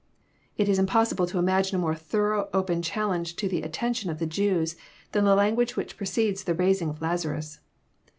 It is impossible to imagine a more thorough open challenge to the attention of the Jews, than the language which preceded the raising of Lazarus.